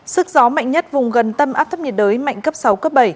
sức gió mạnh nhất vùng gần tâm áp thấp nhiệt đới mạnh cấp sáu cấp bảy